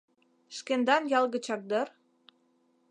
Шкендан ял гычак дыр?